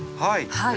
はい。